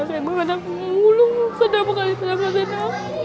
anak anak saya memang mengulung sederhana sederhana